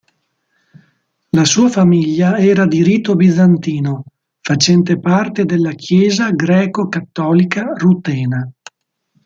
La sua famiglia era di rito bizantino, facente parte della Chiesa greco-cattolica rutena.